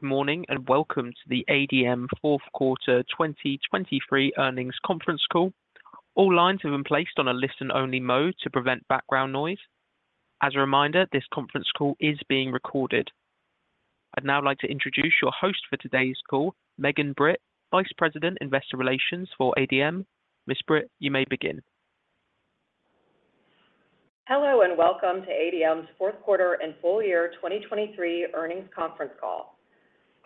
Good morning and welcome to the ADM fourth quarter 2023 earnings conference call. All lines have been placed on a listen-only mode to prevent background noise. As a reminder, this conference call is being recorded. I'd now like to introduce your host for today's call, Megan Britt, Vice President Investor Relations for ADM. Ms. Britt, you may begin. Hello and welcome to ADM's fourth quarter and full year 2023 earnings conference call.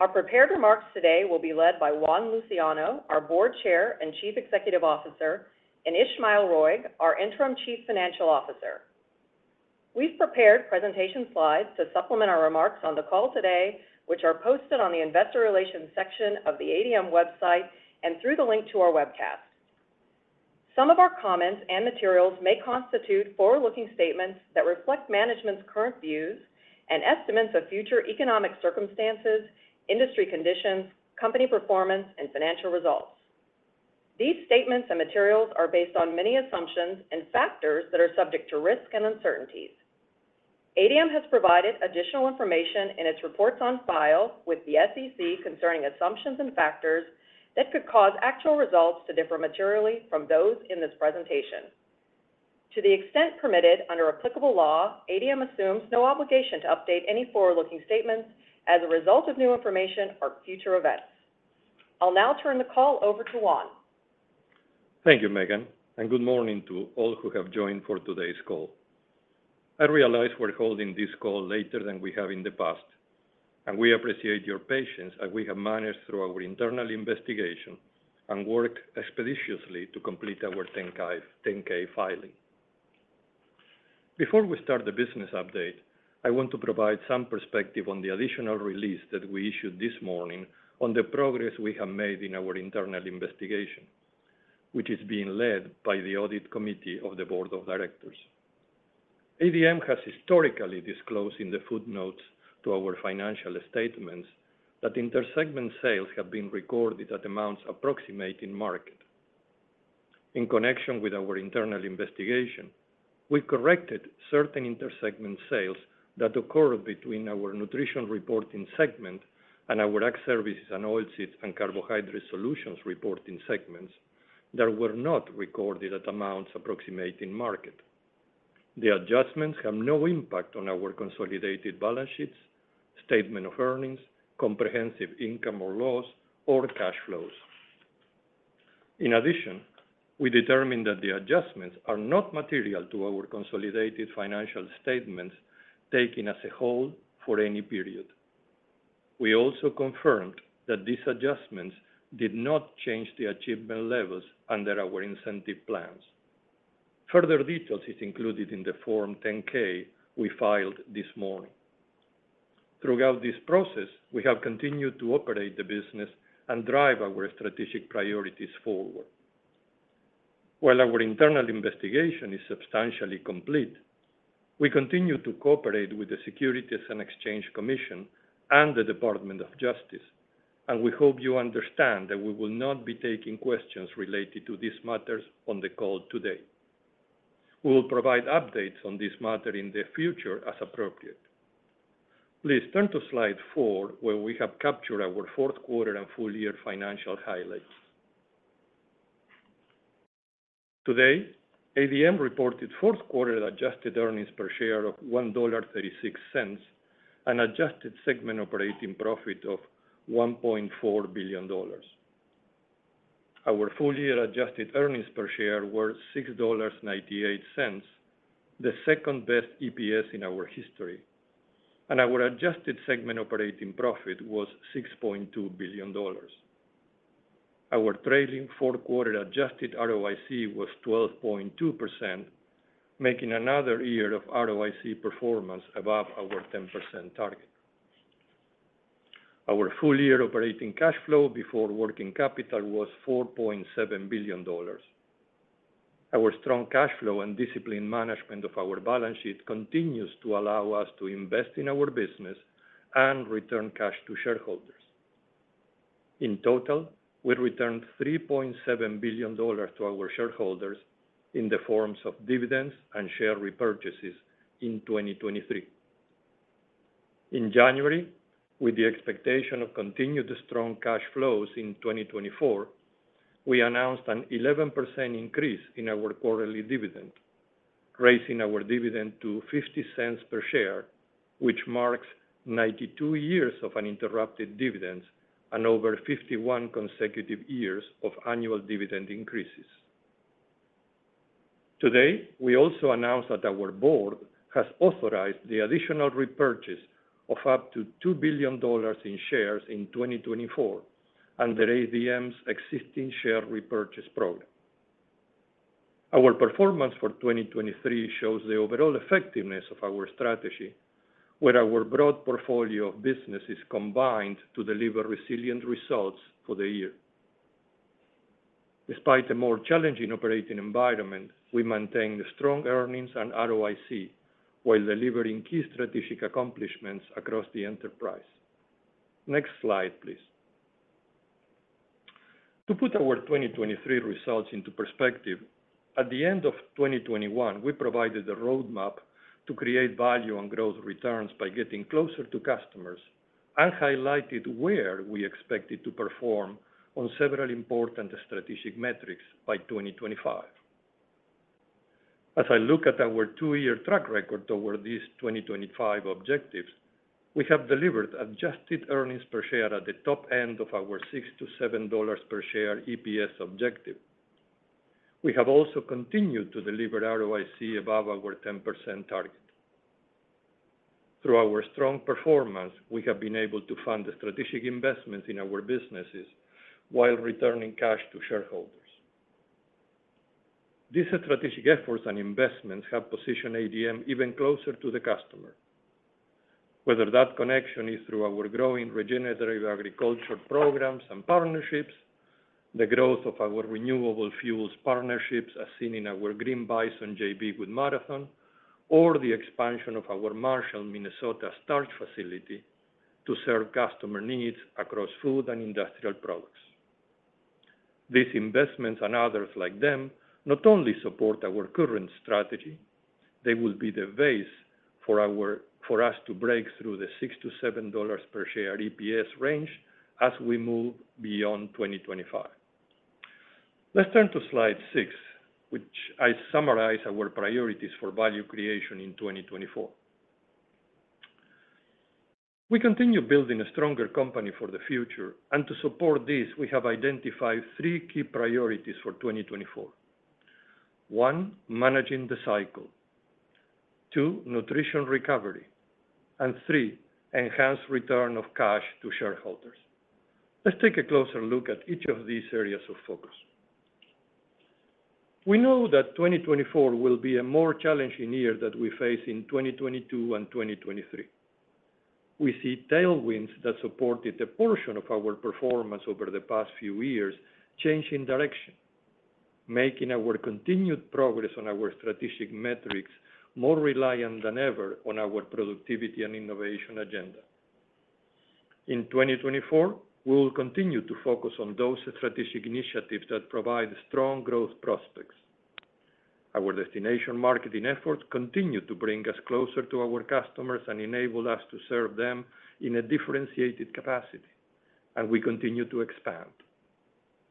Our prepared remarks today will be led by Juan Luciano, our Board Chair and Chief Executive Officer, and Ismael Roig, our Interim Chief Financial Officer. We've prepared presentation slides to supplement our remarks on the call today, which are posted on the Investor Relations section of the ADM website and through the link to our webcast. Some of our comments and materials may constitute forward-looking statements that reflect management's current views and estimates of future economic circumstances, industry conditions, company performance, and financial results. These statements and materials are based on many assumptions and factors that are subject to risk and uncertainties. ADM has provided additional information in its reports on file with the SEC concerning assumptions and factors that could cause actual results to differ materially from those in this presentation. To the extent permitted under applicable law, ADM assumes no obligation to update any forward-looking statements as a result of new information or future events. I'll now turn the call over to Juan. Thank you, Megan, and good morning to all who have joined for today's call. I realize we're holding this call later than we have in the past, and we appreciate your patience as we have managed through our internal investigation and worked expeditiously to complete our 10-K filing. Before we start the business update, I want to provide some perspective on the additional release that we issued this morning on the progress we have made in our internal investigation, which is being led by the Audit Committee of the Board of Directors. ADM has historically disclosed in the footnotes to our financial statements that intersegment sales have been recorded at amounts approximating market. In connection with our internal investigation, we corrected certain intersegment sales that occurred between our nutrition reporting segment and our Ag Services and Oilseeds and Carbohydrate Solutions reporting segments that were not recorded at amounts approximating market. The adjustments have no impact on our consolidated balance sheets, statement of earnings, comprehensive income or loss, or cash flows. In addition, we determined that the adjustments are not material to our consolidated financial statements taken as a whole for any period. We also confirmed that these adjustments did not change the achievement levels under our incentive plans. Further details are included in the Form 10-K we filed this morning. Throughout this process, we have continued to operate the business and drive our strategic priorities forward. While our internal investigation is substantially complete, we continue to cooperate with the Securities and Exchange Commission and the Department of Justice, and we hope you understand that we will not be taking questions related to these matters on the call today. We will provide updates on this matter in the future as appropriate. Please turn to slide 4 where we have captured our fourth quarter and full year financial highlights. Today, ADM reported fourth quarter adjusted earnings per share of $1.36 and adjusted segment operating profit of $1.4 billion. Our full year adjusted earnings per share were $6.98, the second best EPS in our history, and our adjusted segment operating profit was $6.2 billion. Our trailing fourth quarter adjusted ROIC was 12.2%, making another year of ROIC performance above our 10% target. Our full year operating cash flow before working capital was $4.7 billion. Our strong cash flow and disciplined management of our balance sheet continues to allow us to invest in our business and return cash to shareholders. In total, we returned $3.7 billion to our shareholders in the forms of dividends and share repurchases in 2023. In January, with the expectation of continued strong cash flows in 2024, we announced an 11% increase in our quarterly dividend, raising our dividend to $0.50 per share, which marks 92 years of uninterrupted dividends and over 51 consecutive years of annual dividend increases. Today, we also announced that our board has authorized the additional repurchase of up to $2 billion in shares in 2024 under ADM's existing share repurchase program. Our performance for 2023 shows the overall effectiveness of our strategy, where our broad portfolio of businesses combined to deliver resilient results for the year. Despite a more challenging operating environment, we maintained strong earnings and ROIC while delivering key strategic accomplishments across the enterprise. Next slide, please. To put our 2023 results into perspective, at the end of 2021, we provided a roadmap to create value and growth returns by getting closer to customers and highlighted where we expected to perform on several important strategic metrics by 2025. As I look at our two-year track record toward these 2025 objectives, we have delivered adjusted earnings per share at the top end of our $6-$7 per share EPS objective. We have also continued to deliver ROIC above our 10% target. Through our strong performance, we have been able to fund the strategic investments in our businesses while returning cash to shareholders. These strategic efforts and investments have positioned ADM even closer to the customer. Whether that connection is through our growing regenerative agriculture programs and partnerships, the growth of our renewable fuels partnerships as seen in our Green Bison joint venture, Marathon, or the expansion of our Marshall, Minnesota, starch facility to serve customer needs across food and industrial products. These investments and others like them not only support our current strategy. They will be the base for us to break through the $6-$7 per share EPS range as we move beyond 2025. Let's turn to slide 6, which summarizes our priorities for value creation in 2024. We continue building a stronger company for the future, and to support this, we have identified three key priorities for 2024: one, managing the cycle, two, nutrition recovery, and three, enhanced return of cash to shareholders. Let's take a closer look at each of these areas of focus. We know that 2024 will be a more challenging year than we faced in 2022 and 2023. We see tailwinds that supported a portion of our performance over the past few years changing direction, making our continued progress on our strategic metrics more reliant than ever on our productivity and innovation agenda. In 2024, we will continue to focus on those strategic initiatives that provide strong growth prospects. Our destination marketing efforts continue to bring us closer to our customers and enable us to serve them in a differentiated capacity, and we continue to expand.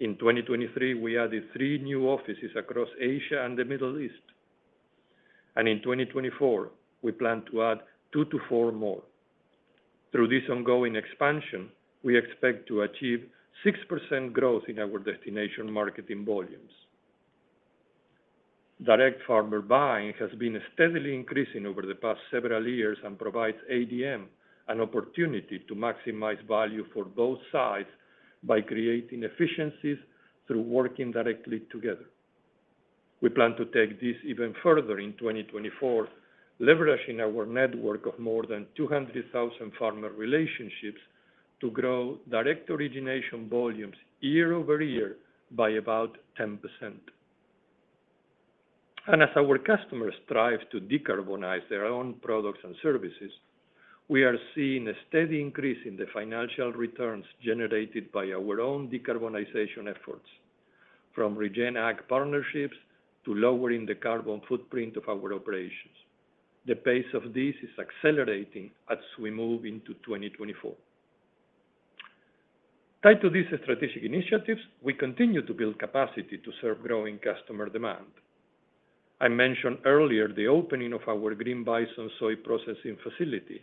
In 2023, we added 3 new offices across Asia and the Middle East, and in 2024, we plan to add 2-4 more. Through this ongoing expansion, we expect to achieve 6% growth in our destination marketing volumes. Direct farmer buying has been steadily increasing over the past several years and provides ADM an opportunity to maximize value for both sides by creating efficiencies through working directly together. We plan to take this even further in 2024, leveraging our network of more than 200,000 farmer relationships to grow direct origination volumes year-over-year by about 10%. As our customers strive to decarbonize their own products and services, we are seeing a steady increase in the financial returns generated by our own decarbonization efforts, from regen ag partnerships to lowering the carbon footprint of our operations. The pace of this is accelerating as we move into 2024. Tied to these strategic initiatives, we continue to build capacity to serve growing customer demand. I mentioned earlier the opening of our Green Bison soy processing facility,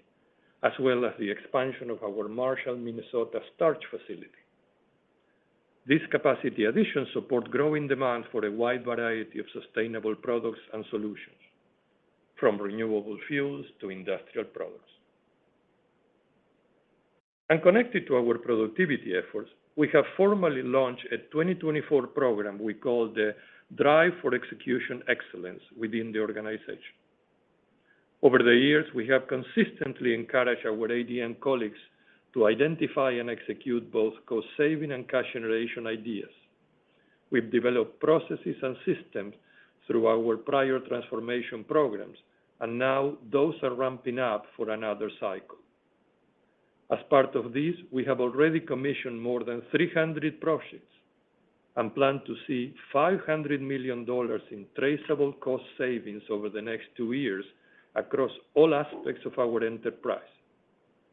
as well as the expansion of our Marshall, Minnesota, starch facility. These capacity additions support growing demand for a wide variety of sustainable products and solutions, from renewable fuels to industrial products. Connected to our productivity efforts, we have formally launched a 2024 program we call the Drive for Execution Excellence within the organization. Over the years, we have consistently encouraged our ADM colleagues to identify and execute both cost-saving and cash generation ideas. We've developed processes and systems through our prior transformation programs, and now those are ramping up for another cycle. As part of this, we have already commissioned more than 300 projects and plan to see $500 million in traceable cost savings over the next two years across all aspects of our enterprise,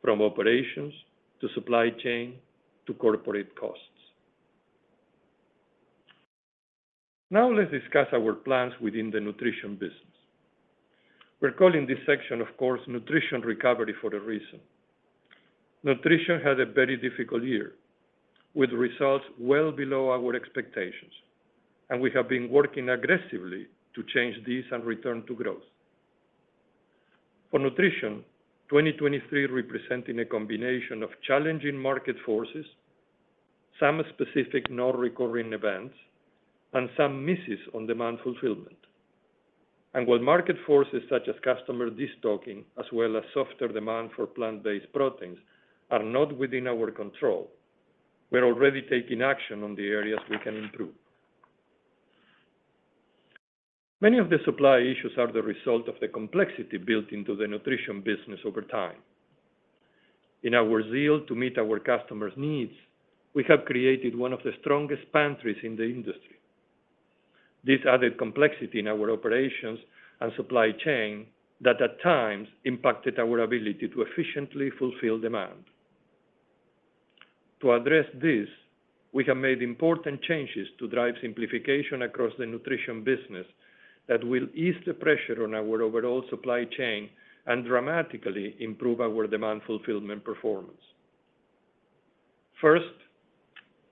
from operations to supply chain to corporate costs. Now let's discuss our plans within the nutrition business. We're calling this section, of course, Nutrition Recovery for a reason. Nutrition had a very difficult year, with results well below our expectations, and we have been working aggressively to change this and return to growth. For Nutrition, 2023 represented a combination of challenging market forces, some specific non-recurring events, and some misses on demand fulfillment. While market forces such as customer destocking, as well as softer demand for plant-based proteins, are not within our control, we're already taking action on the areas we can improve. Many of the supply issues are the result of the complexity built into the Nutrition business over time. In our zeal to meet our customers' needs, we have created one of the strongest pantries in the industry. This added complexity in our operations and supply chain that, at times, impacted our ability to efficiently fulfill demand. To address this, we have made important changes to drive simplification across the nutrition business that will ease the pressure on our overall supply chain and dramatically improve our demand fulfillment performance. First,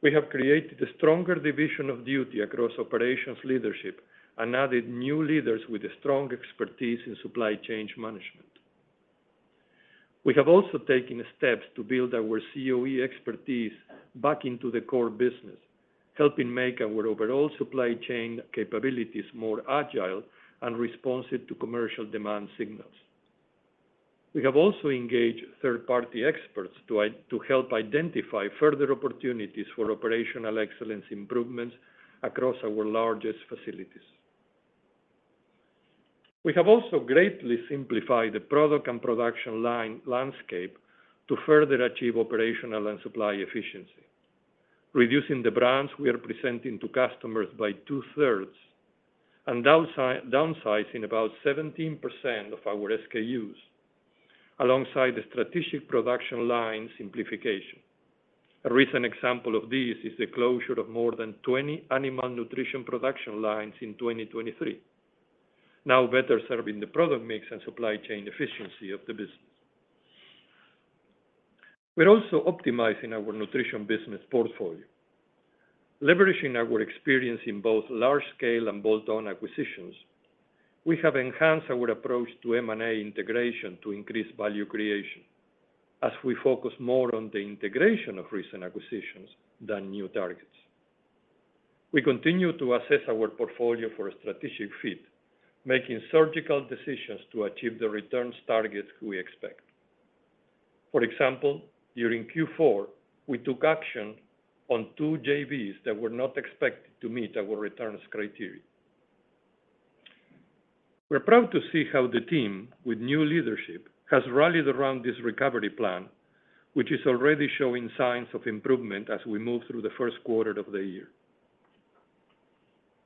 we have created a stronger division of duty across operations leadership and added new leaders with strong expertise in supply chain management. We have also taken steps to build our COE expertise back into the core business, helping make our overall supply chain capabilities more agile and responsive to commercial demand signals. We have also engaged third-party experts to help identify further opportunities for operational excellence improvements across our largest facilities. We have also greatly simplified the product and production landscape to further achieve operational and supply efficiency, reducing the brands we are presenting to customers by two-thirds and downsizing about 17% of our SKUs, alongside the strategic production line simplification. A recent example of this is the closure of more than 20 animal nutrition production lines in 2023, now better serving the product mix and supply chain efficiency of the business. We're also optimizing our nutrition business portfolio. Leveraging our experience in both large-scale and bolt-on acquisitions, we have enhanced our approach to M&A integration to increase value creation as we focus more on the integration of recent acquisitions than new targets. We continue to assess our portfolio for a strategic fit, making surgical decisions to achieve the returns targets we expect. For example, during Q4, we took action on two JBs that were not expected to meet our returns criteria. We're proud to see how the team, with new leadership, has rallied around this recovery plan, which is already showing signs of improvement as we move through the first quarter of the year.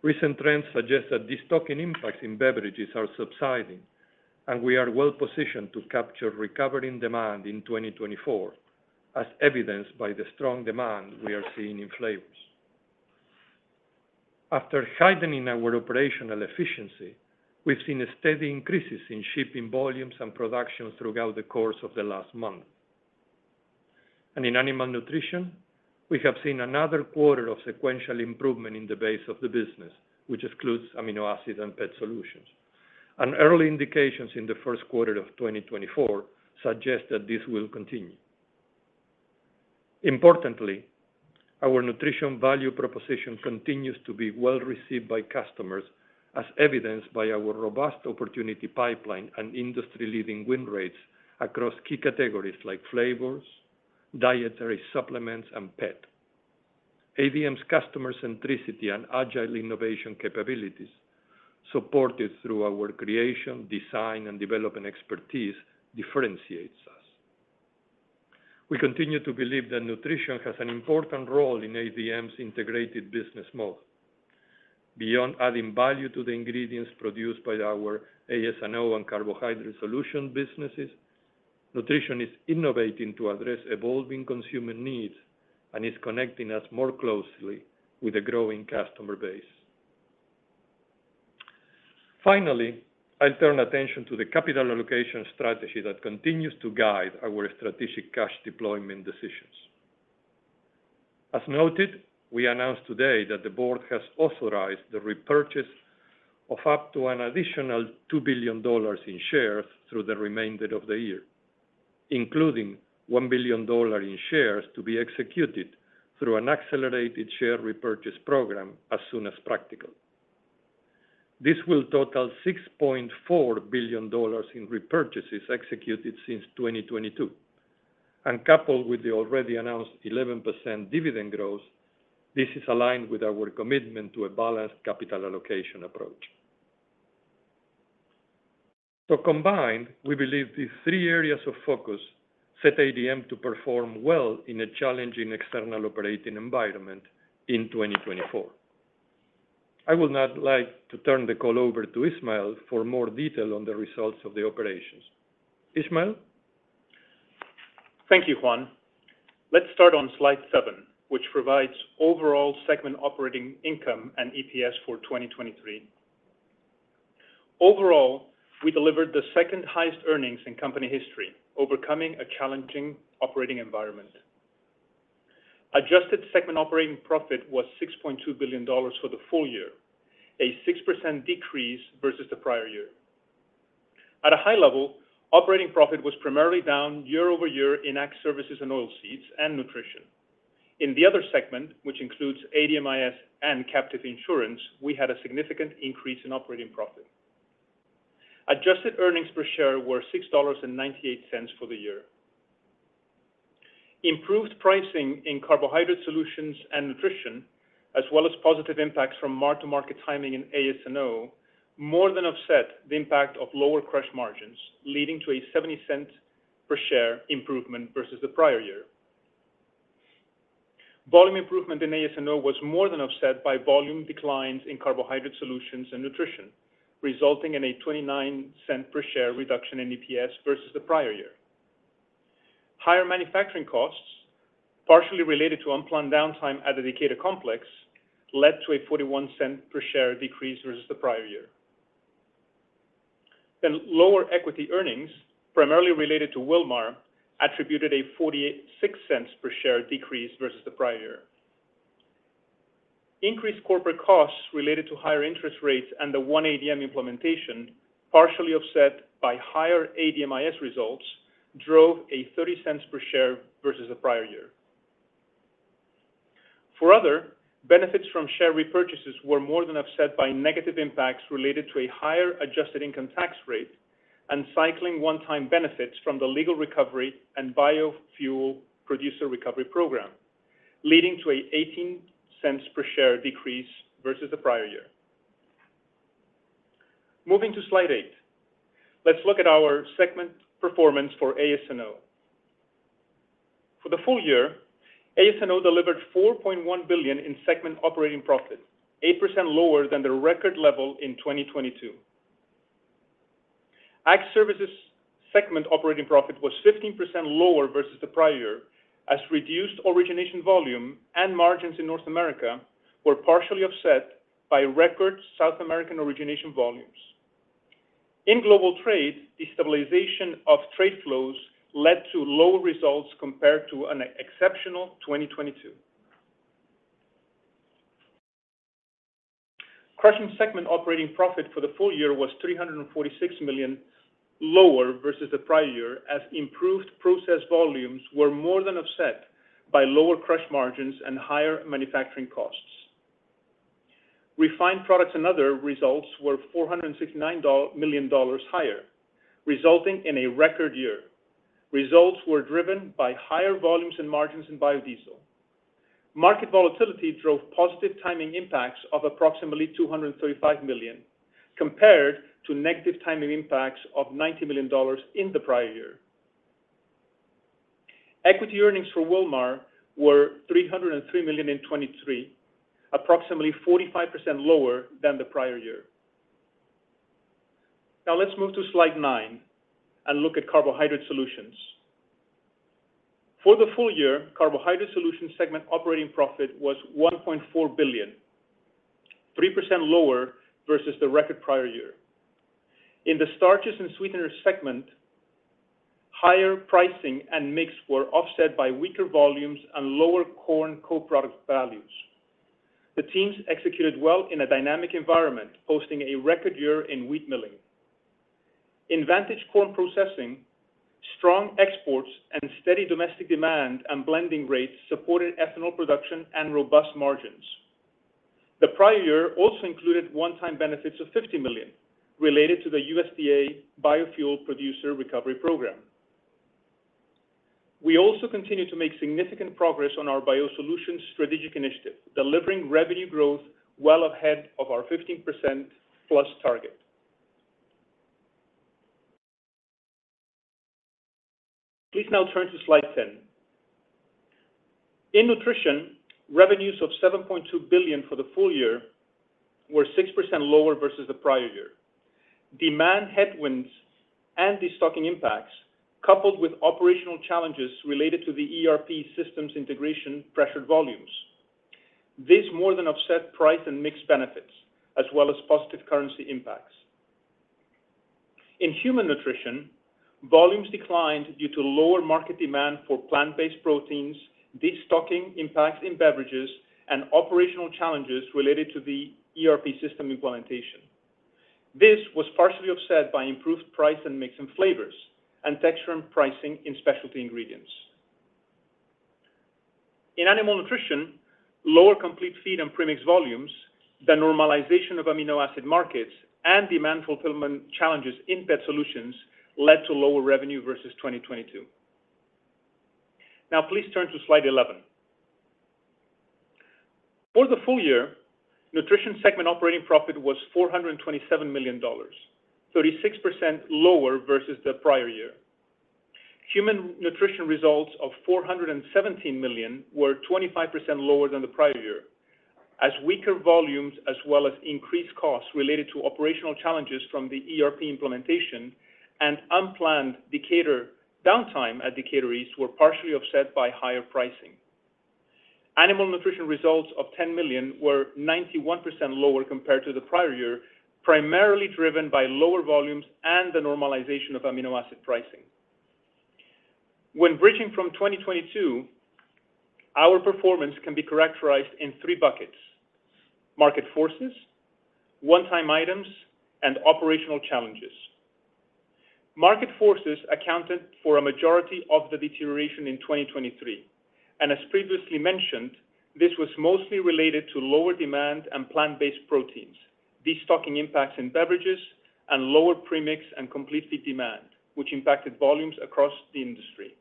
Recent trends suggest that distocking impacts in beverages are subsiding, and we are well positioned to capture recovering demand in 2024, as evidenced by the strong demand we are seeing in flavors. After heightening our operational efficiency, we've seen a steady increase in shipping volumes and production throughout the course of the last month. In animal nutrition, we have seen another quarter of sequential improvement in the base of the business, which excludes amino acid and pet solutions. Early indications in the first quarter of 2024 suggest that this will continue. Importantly, our nutrition value proposition continues to be well received by customers, as evidenced by our robust opportunity pipeline and industry-leading win rates across key categories like flavors, dietary supplements, and pet. ADM's customer-centricity and agile innovation capabilities, supported through our creation, design, and development expertise, differentiate us. We continue to believe that Nutrition has an important role in ADM's integrated business model. Beyond adding value to the ingredients produced by our AS&O and Carbohydrate Solutions businesses, Nutrition is innovating to address evolving consumer needs and is connecting us more closely with a growing customer base. Finally, I'll turn attention to the capital allocation strategy that continues to guide our strategic cash deployment decisions. As noted, we announced today that the board has authorized the repurchase of up to an additional $2 billion in shares through the remainder of the year, including $1 billion in shares to be executed through an accelerated share repurchase program as soon as practical. This will total $6.4 billion in repurchases executed since 2022. Coupled with the already announced 11% dividend growth, this is aligned with our commitment to a balanced capital allocation approach. So combined, we believe these three areas of focus set ADM to perform well in a challenging external operating environment in 2024. I would now like to turn the call over to Ismael for more detail on the results of the operations. Ismael? Thank you, Juan. Let's start on slide seven, which provides overall segment operating income and EPS for 2023. Overall, we delivered the second highest earnings in company history, overcoming a challenging operating environment. Adjusted segment operating profit was $6.2 billion for the full year, a 6% decrease versus the prior year. At a high level, operating profit was primarily down year-over-year in ag services and oilseeds and nutrition. In the other segment, which includes ADMIS and captive insurance, we had a significant increase in operating profit. Adjusted earnings per share were $6.98 for the year. Improved pricing in Carbohydrate Solutions and nutrition, as well as positive impacts from mark-to-market timing in AS&O, more than offset the impact of lower crush margins, leading to a $0.70 per share improvement versus the prior year. Volume improvement in AS&O was more than offset by volume declines in Carbohydrate Solutions and nutrition, resulting in a $0.29 per share reduction in EPS versus the prior year. Higher manufacturing costs, partially related to unplanned downtime at the Decatur Complex, led to a $0.41 per share decrease versus the prior year. Lower equity earnings, primarily related to Wilmar, attributed a $0.46 per share decrease versus the prior year. Increased corporate costs related to higher interest rates and the 1ADM implementation, partially offset by higher ADMIS results, drove a $0.30 per share versus the prior year. For other, benefits from share repurchases were more than offset by negative impacts related to a higher adjusted income tax rate and cycling one-time benefits from the legal recovery and biofuel producer recovery program, leading to a $0.18 per share decrease versus the prior year. Moving to slide 8, let's look at our segment performance for AS&O. For the full year, AS&O delivered $4.1 billion in segment operating profit, 8% lower than the record level in 2022. Ag services segment operating profit was 15% lower versus the prior year, as reduced origination volume and margins in North America were partially offset by record South American origination volumes. In global trade, destabilization of trade flows led to lower results compared to an exceptional 2022. Crushing segment operating profit for the full year was $346 million lower versus the prior year, as improved process volumes were more than offset by lower crush margins and higher manufacturing costs. Refined products and other results were $469 million higher, resulting in a record year. Results were driven by higher volumes and margins in biodiesel. Market volatility drove positive timing impacts of approximately $235 million, compared to negative timing impacts of $90 million in the prior year. Equity earnings for Wilmar were $303 million in 2023, approximately 45% lower than the prior year. Now let's move to slide 9 and look at Carbohydrate Solutions. For the full year, Carbohydrate Solutions segment operating profit was $1.4 billion, 3% lower versus the record prior year. In the Starches and Sweeteners segment, higher pricing and mix were offset by weaker volumes and lower corn co-product values. The teams executed well in a dynamic environment, posting a record year in wheat milling. In Vantage Corn Processing, strong exports and steady domestic demand and blending rates supported ethanol production and robust margins. The prior year also included one-time benefits of $50 million related to the USDA biofuel producer recovery program. We also continue to make significant progress on our BioSolutions strategic initiative, delivering revenue growth well ahead of our 15%+ target. Please now turn to slide 10. In Nutrition, revenues of $7.2 billion for the full year were 6% lower versus the prior year. Demand headwinds and distocking impacts, coupled with operational challenges related to the ERP systems integration, pressured volumes. This more than offset price and mix benefits, as well as positive currency impacts. In human nutrition, volumes declined due to lower market demand for plant-based proteins, distocking impacts in beverages, and operational challenges related to the ERP system implementation. This was partially offset by improved price and mix in flavors and texture and pricing in specialty ingredients. In animal nutrition, lower complete feed and premix volumes, the normalization of amino acid markets, and demand fulfillment challenges in pet solutions led to lower revenue versus 2022. Now please turn to slide 11. For the full year, nutrition segment operating profit was $427 million, 36% lower versus the prior year. Human nutrition results of $417 million were 25% lower than the prior year, as weaker volumes as well as increased costs related to operational challenges from the ERP implementation and unplanned Decatur downtime at Decatur East were partially offset by higher pricing. Animal nutrition results of $10 million were 91% lower compared to the prior year, primarily driven by lower volumes and the normalization of amino acid pricing. When bridging from 2022, our performance can be characterized in three buckets: market forces, one-time items, and operational challenges. Market forces accounted for a majority of the deterioration in 2023. As previously mentioned, this was mostly related to lower demand and plant-based proteins, distocking impacts in beverages, and lower premix and complete feed demand, which impacted volumes across the industry.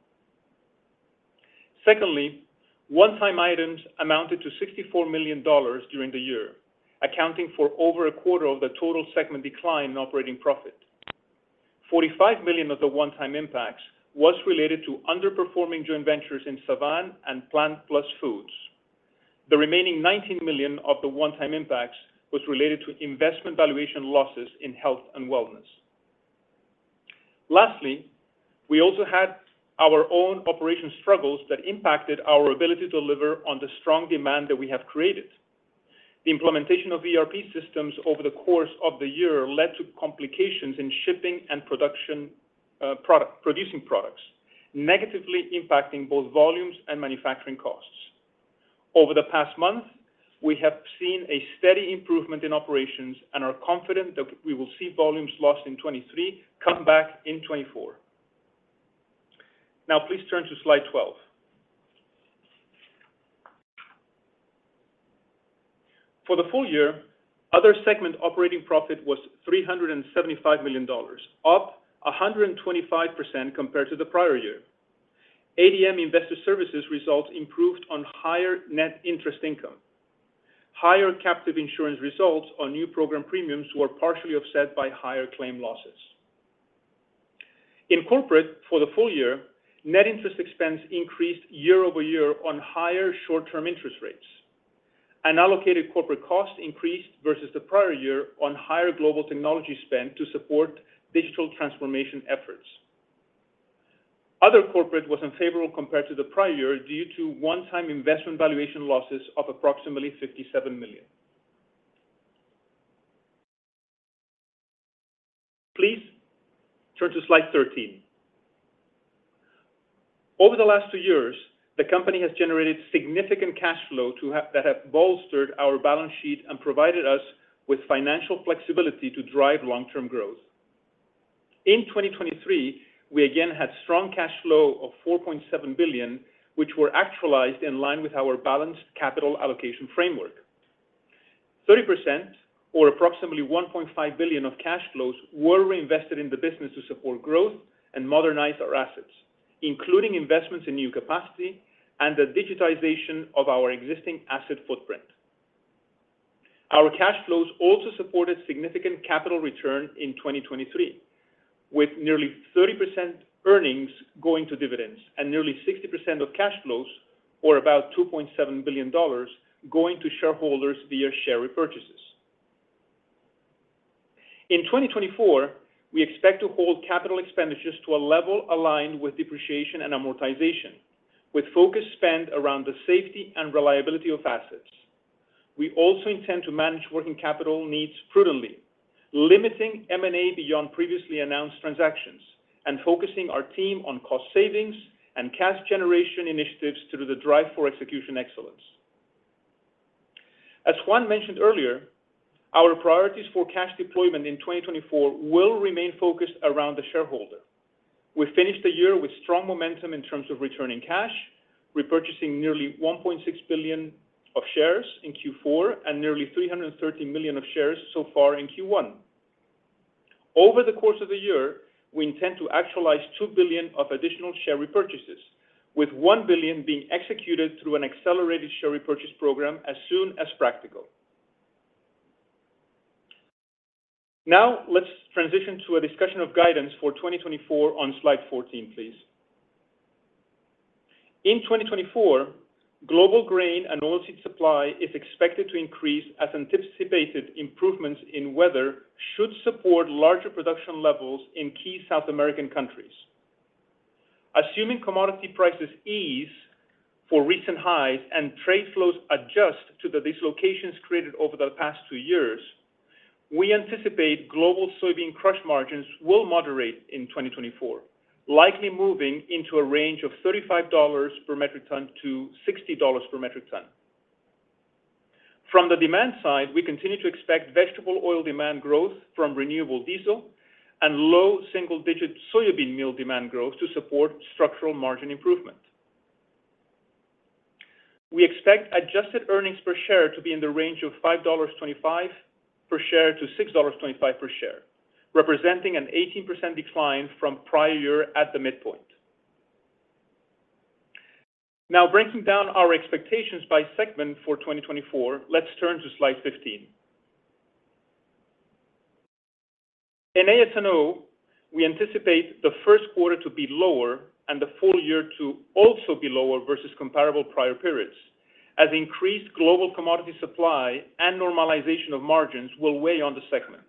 Secondly, one-time items amounted to $64 million during the year, accounting for over a quarter of the total segment decline in operating profit. $45 million of the one-time impacts was related to underperforming joint ventures in Savena and PlantPlus Foods. The remaining $19 million of the one-time impacts was related to investment valuation losses in health and wellness. Lastly, we also had our own operation struggles that impacted our ability to deliver on the strong demand that we have created. The implementation of ERP systems over the course of the year led to complications in shipping and production product producing products, negatively impacting both volumes and manufacturing costs. Over the past month, we have seen a steady improvement in operations and are confident that we will see volumes lost in 2023 come back in 2024. Now please turn to slide 12. For the full year, other segment operating profit was $375 million, up 125% compared to the prior year. ADM Investor Services results improved on higher net interest income. Higher captive insurance results on new program premiums were partially offset by higher claim losses. In corporate, for the full year, net interest expense increased year-over-year on higher short-term interest rates. Unallocated corporate costs increased versus the prior year on higher global technology spend to support digital transformation efforts. Other corporate was unfavorable compared to the prior year due to one-time investment valuation losses of approximately $57 million. Please turn to slide 13. Over the last two years, the company has generated significant cash flow that has bolstered our balance sheet and provided us with financial flexibility to drive long-term growth. In 2023, we again had strong cash flow of $4.7 billion, which were actualized in line with our balanced capital allocation framework. 30% or approximately $1.5 billion of cash flows were reinvested in the business to support growth and modernize our assets, including investments in new capacity and the digitization of our existing asset footprint. Our cash flows also supported significant capital return in 2023, with nearly 30% earnings going to dividends and nearly 60% of cash flows, or about $2.7 billion, going to shareholders via share repurchases. In 2024, we expect to hold capital expenditures to a level aligned with depreciation and amortization, with focused spend around the safety and reliability of assets. We also intend to manage working capital needs prudently, limiting M&A beyond previously announced transactions, and focusing our team on cost savings and cash generation initiatives through the Drive for Execution Excellence. As Juan mentioned earlier, our priorities for cash deployment in 2024 will remain focused around the shareholder. We finished the year with strong momentum in terms of returning cash, repurchasing nearly $1.6 billion of shares in Q4 and nearly $330 million of shares so far in Q1. Over the course of the year, we intend to actualize $2 billion of additional share repurchases, with $1 billion being executed through an accelerated share repurchase program as soon as practical. Now let's transition to a discussion of guidance for 2024 on slide 14, please. In 2024, global grain and oilseed supply is expected to increase as anticipated improvements in weather should support larger production levels in key South American countries. Assuming commodity prices ease for recent highs and trade flows adjust to the dislocations created over the past two years, we anticipate global soybean crush margins will moderate in 2024, likely moving into a range of $35-$60 per metric ton. From the demand side, we continue to expect vegetable oil demand growth from renewable diesel and low single-digit soybean meal demand growth to support structural margin improvement. We expect adjusted earnings per share to be in the range of $5.25-$6.25 per share, representing an 18% decline from prior year at the midpoint. Now breaking down our expectations by segment for 2024, let's turn to slide 15. In AS&O, we anticipate the first quarter to be lower and the full year to also be lower versus comparable prior periods, as increased global commodity supply and normalization of margins will weigh on the segment.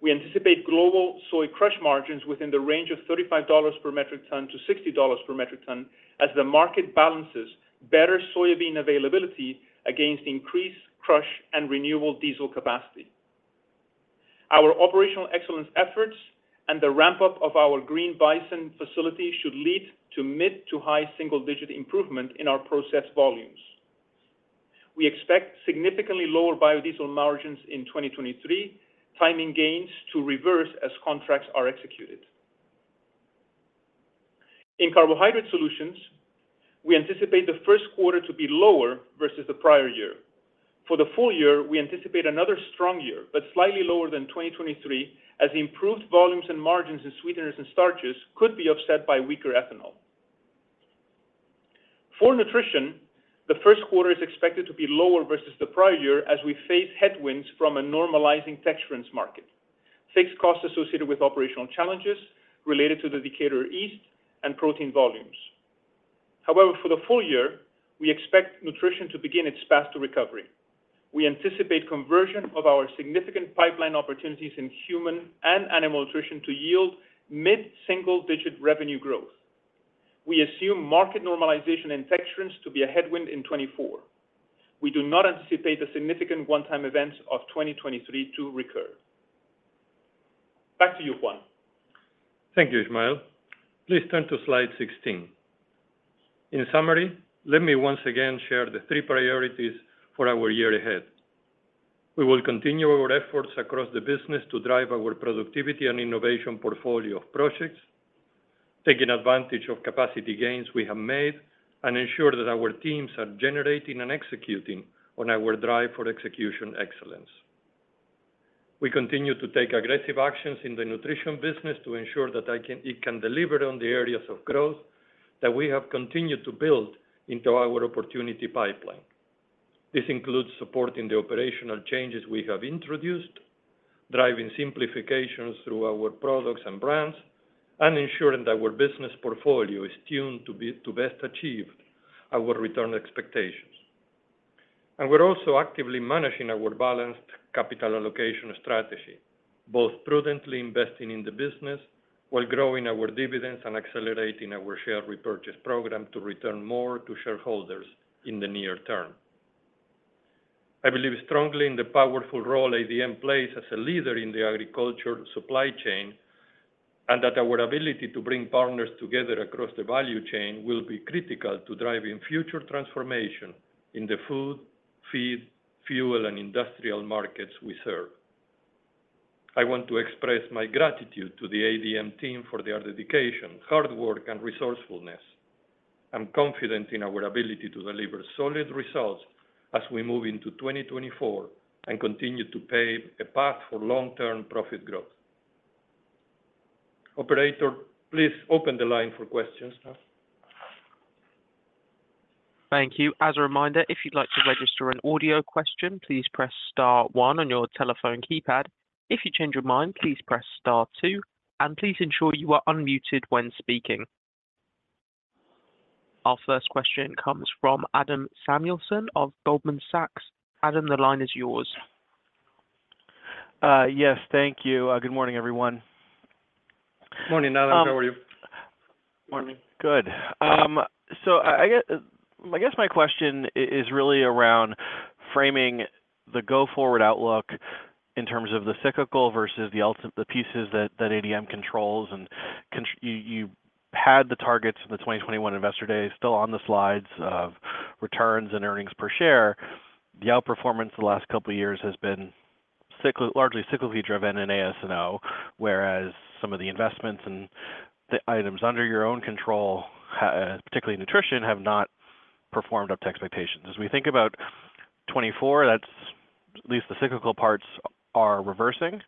We anticipate global soy crush margins within the range of $35-$60 per metric ton as the market balances better soybean availability against increased crush and renewable diesel capacity. Our operational excellence efforts and the ramp-up of our Green Bison facility should lead to mid to high single-digit improvement in our process volumes. We expect significantly lower biodiesel margins in 2023, timing gains to reverse as contracts are executed. In Carbohydrate Solutions, we anticipate the first quarter to be lower versus the prior year. For the full year, we anticipate another strong year but slightly lower than 2023, as improved volumes and margins in sweeteners and starches could be offset by weaker ethanol. For Nutrition, the first quarter is expected to be lower versus the prior year as we face headwinds from a normalizing texturants market, fixed costs associated with operational challenges related to the Decatur East, and protein volumes. However, for the full year, we expect Nutrition to begin its path to recovery. We anticipate conversion of our significant pipeline opportunities in human and animal nutrition to yield mid single-digit revenue growth. We assume market normalization and texturants to be a headwind in 2024. We do not anticipate the significant one-time events of 2023 to recur. Back to you, Juan. Thank you, Ismael. Please turn to slide 16. In summary, let me once again share the three priorities for our year ahead. We will continue our efforts across the business to drive our productivity and innovation portfolio of projects, taking advantage of capacity gains we have made, and ensure that our teams are generating and executing on our Drive for Execution Excellence. We continue to take aggressive actions in the Nutrition business to ensure that it can deliver on the areas of growth that we have continued to build into our opportunity pipeline. This includes supporting the operational changes we have introduced, driving simplifications through our products and brands, and ensuring that our business portfolio is tuned to best achieve our return expectations. We're also actively managing our balanced capital allocation strategy, both prudently investing in the business while growing our dividends and accelerating our share repurchase program to return more to shareholders in the near term. I believe strongly in the powerful role ADM plays as a leader in the agriculture supply chain and that our ability to bring partners together across the value chain will be critical to driving future transformation in the food, feed, fuel, and industrial markets we serve. I want to express my gratitude to the ADM team for their dedication, hard work, and resourcefulness. I'm confident in our ability to deliver solid results as we move into 2024 and continue to pave a path for long-term profit growth. Operator, please open the line for questions now. Thank you. As a reminder, if you'd like to register an audio question, please press Star 1 on your telephone keypad. If you change your mind, please press Star 2. And please ensure you are unmuted when speaking. Our first question comes from Adam Samuelson of Goldman Sachs. Adam, the line is yours. Yes, thank you. Good morning, everyone. Morning, Adam. How are you? Morning. Good. So I guess my question is really around framing the go-forward outlook in terms of the cyclical versus the pieces that ADM controls. And you had the targets of the 2021 investor day, still on the slides, of returns and earnings per share. The outperformance the last couple of years has been largely cyclically driven in AS&O, whereas some of the investments and the items under your own control, particularly nutrition, have not performed up to expectations. As we think about 2024, at least the cyclical parts are reversing,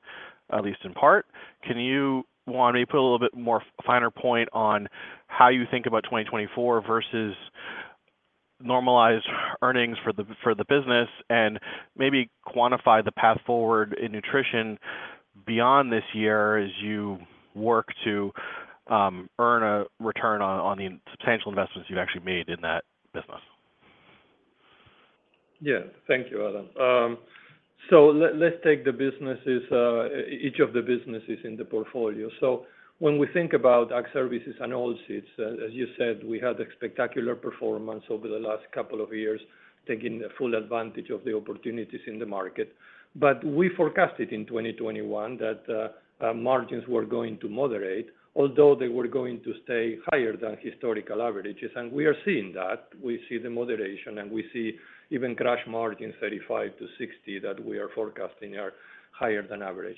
at least in part. Can you, Juan, maybe put a little bit more finer point on how you think about 2024 versus normalized earnings for the business and maybe quantify the path forward in nutrition beyond this year as you work to earn a return on the substantial investments you've actually made in that business? Yeah, thank you, Adam. So let's take each of the businesses in the portfolio. So when we think about ag services and oilseeds, as you said, we had a spectacular performance over the last couple of years taking full advantage of the opportunities in the market. But we forecasted in 2021 that margins were going to moderate, although they were going to stay higher than historical averages. And we are seeing that. We see the moderation, and we see even crush margin $35-$60 that we are forecasting are higher than average.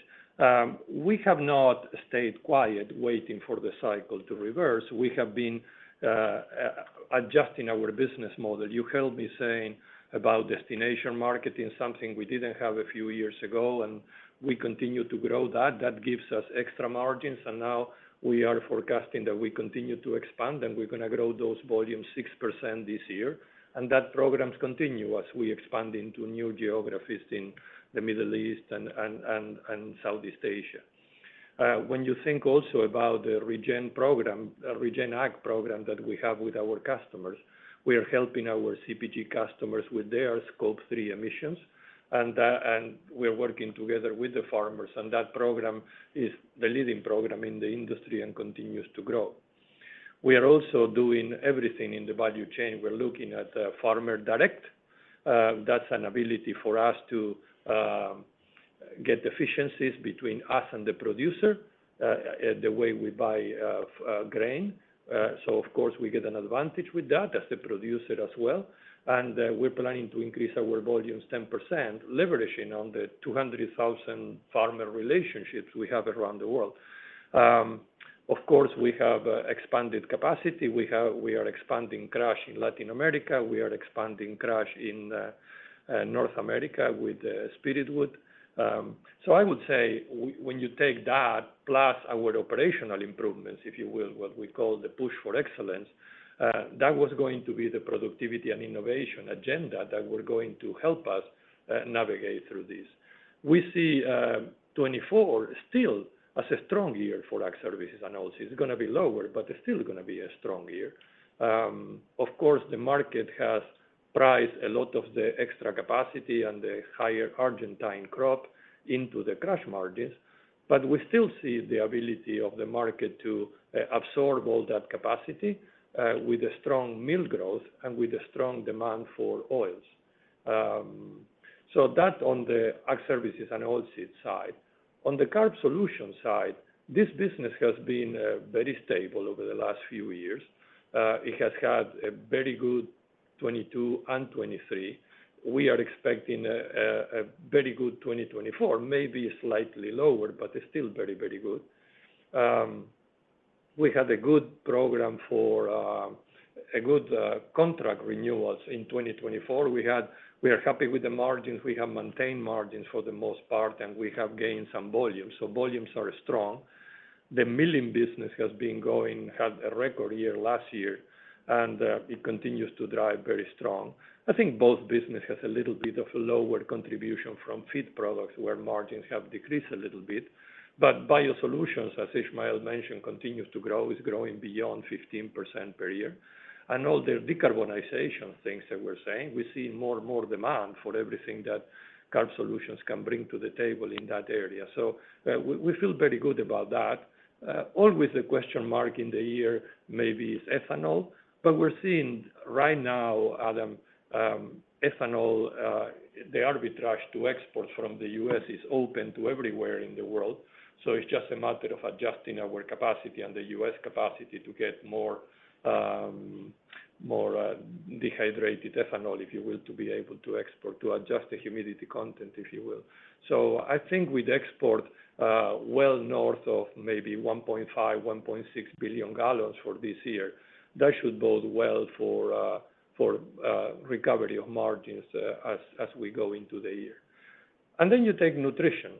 We have not stayed quiet waiting for the cycle to reverse. We have been adjusting our business model. You heard me saying about destination marketing, something we didn't have a few years ago, and we continue to grow that. That gives us extra margins. And now we are forecasting that we continue to expand, and we're going to grow those volumes 6% this year. And that program continues as we expand into new geographies in the Middle East and Southeast Asia. When you think also about the Regen Ag program that we have with our customers, we are helping our CPG customers with their Scope 3 emissions. And we're working together with the farmers. And that program is the leading program in the industry and continues to grow. We are also doing everything in the value chain. We're looking at Farmer Direct. That's an ability for us to get efficiencies between us and the producer, the way we buy grain. So, of course, we get an advantage with that as the producer as well. And we're planning to increase our volumes 10%, leveraging on the 200,000 farmer relationships we have around the world. Of course, we have expanded capacity. We are expanding crush in Latin America. We are expanding crush in North America with Spiritwood. So I would say, when you take that plus our operational improvements, if you will, what we call the push for excellence, that was going to be the productivity and innovation agenda that were going to help us navigate through this. We see 2024 still as a strong year for Ag Services & Oilseeds. It's going to be lower, but it's still going to be a strong year. Of course, the market has priced a lot of the extra capacity and the higher Argentine crop into the crush margins. But we still see the ability of the market to absorb all that capacity with a strong mill growth and with a strong demand for oils. So that on the Ag Services & Oilseeds side. On the Carbohydrate Solutions side, this business has been very stable over the last few years. It has had a very good 2022 and 2023. We are expecting a very good 2024, maybe slightly lower, but still very, very good. We had a good program for good contract renewals in 2024. We are happy with the margins. We have maintained margins for the most part, and we have gained some volume. So volumes are strong. The milling business has been going, had a record year last year, and it continues to drive very strong. I think both businesses has a little bit of a lower contribution from feed products where margins have decreased a little bit. But BioSolutions, as Ismael mentioned, continues to grow, is growing beyond 15% per year. And all the decarbonization things that we're saying, we see more and more demand for everything that Carbohydrate Solutions can bring to the table in that area. So we feel very good about that. Always the question mark in the year maybe is ethanol. But we're seeing right now, Adam, the arbitrage to export from the U.S. is open to everywhere in the world. So it's just a matter of adjusting our capacity and the U.S. capacity to get more dehydrated ethanol, if you will, to be able to export, to adjust the humidity content, if you will. So I think with export well north of maybe 1.5-1.6 billion gallons for this year, that should bode well for recovery of margins as we go into the year. And then you take Nutrition.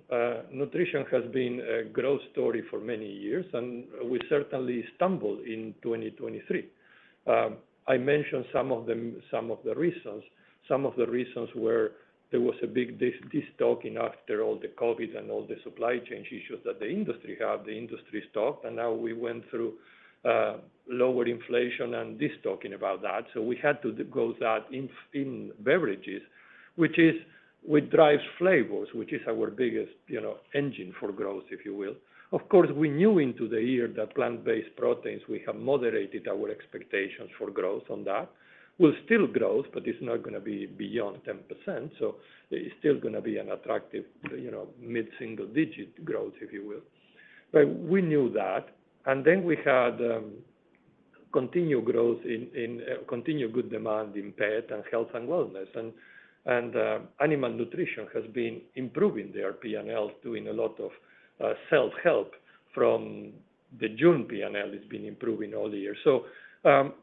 Nutrition has been a growth story for many years, and we certainly stumbled in 2023. I mentioned some of the reasons. Some of the reasons were there was a big distocking after all the COVID and all the supply chain issues that the industry had. The industry stopped, and now we went through lower inflation and distocking about that. So we had to go that in beverages, which drives flavors, which is our biggest engine for growth, if you will. Of course, we knew into the year that plant-based proteins, we have moderated our expectations for growth on that. We'll still grow, but it's not going to be beyond 10%. So it's still going to be an attractive mid single-digit growth, if you will. But we knew that. And then we had continued growth in continued good demand in pet and health and wellness. And animal nutrition has been improving their P&L, doing a lot of self-help from the June P&L has been improving all year. So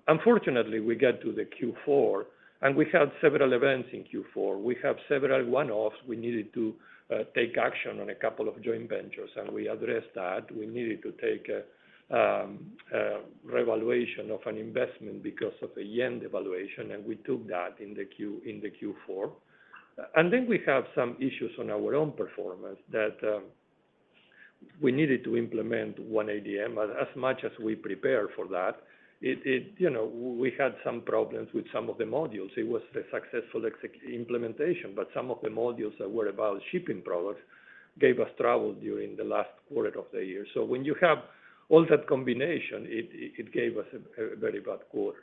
unfortunately, we get to the Q4, and we had several events in Q4. We have several one-offs. We needed to take action on a couple of joint ventures, and we addressed that. We needed to take a revaluation of an investment because of a yen devaluation, and we took that in the Q4. Then we have some issues on our own performance that we needed to implement 1ADM as much as we prepared for that. We had some problems with some of the modules. It was a successful implementation, but some of the modules that were about shipping products gave us trouble during the last quarter of the year. So when you have all that combination, it gave us a very bad quarter.